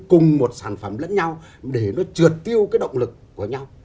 cùng một sản phẩm lẫn nhau để nó trượt tiêu cái động lực của nhau